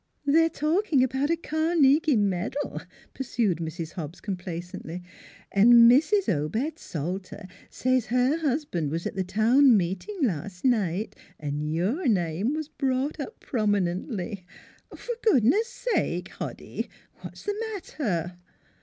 ' They're talking about a Carnegie medal," pursued Mrs. Hobbs complacently. " And Mrs. Obed Salter says her husband was at the town meeting last night, and your name was brought up prominently For goodness sake ! Hoddy, what is the matter?